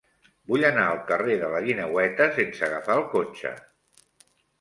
Vull anar al carrer de la Guineueta sense agafar el cotxe.